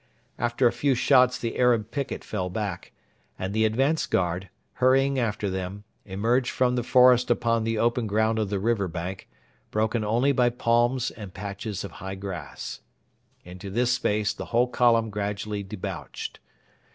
After a few shots the Arab picket fell back, and the advance guard, hurrying after them, emerged from the forest upon the open ground of the river bank, broken only by palms and patches of high grass. Into this space the whole column gradually debouched.